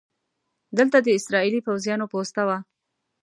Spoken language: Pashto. دلته د اسرائیلي پوځیانو پوسته وه.